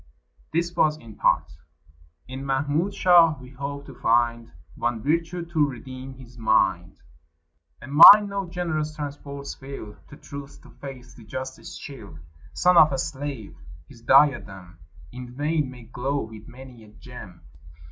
[This was in part.] "In Mahmud shall we hope to find One virtue to redeem his mind? A mind no generous transports fill, To truth, to faith, to justice chill. "Son of a slave. His diadem In vain may glow with many a gem.